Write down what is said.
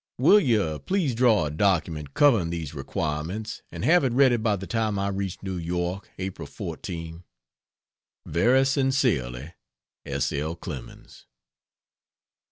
Will you please draw a document covering these requirements and have it ready by the time I reach New York (April 14th). Very sincerely, S. L. CLEMENS.